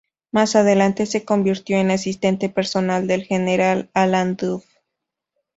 Más adelante se convirtió en asistente personal del general Alan Duff.